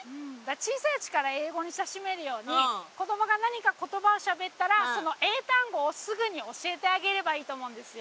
小さいうちから英語に親しめるように子供が何か言葉をしゃべったらその英単語をすぐに教えてあげればいいと思うんですよ。